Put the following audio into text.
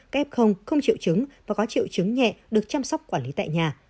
f không triệu chứng và có triệu chứng nhẹ được chăm sóc quản lý tại nhà